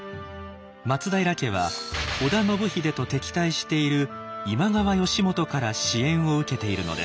松平家は織田信秀と敵対している今川義元から支援を受けているのです。